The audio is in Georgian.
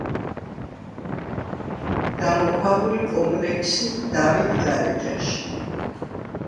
გამოქვაბული კომპლექსი დავითგარეჯაში.